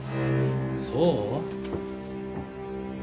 そう？